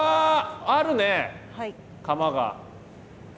あるね窯が。